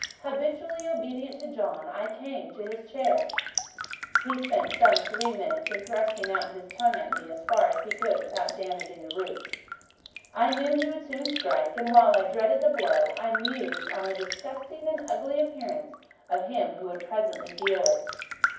Habitually obedient to John, I came up to his chair: he spent some three minutes in thrusting out his tongue at me as far as he could without damaging the roots: I knew he would soon strike, and while dreading the blow, I mused on the disgusting and ugly appearance of him who would presently deal it.